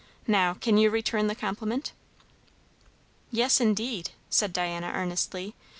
"Now, can you return the compliment?" "Yes indeed!" said Diana earnestly.